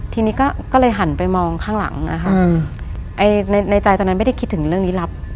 ทีนี้ก็เลยหันไปมองข้างหลังนะคะในในใจตอนนั้นไม่ได้คิดถึงเรื่องลี้ลับ